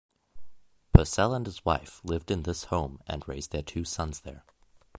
Purcell and his wife lived in this home and raised their two sons there.